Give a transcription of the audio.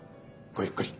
ごゆっくり。